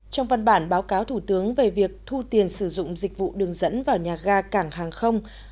trong văn bản báo cáo thủ tướng về việc thu tiền sử dụng dịch vụ đường dẫn vào nhà ga cảng hàng không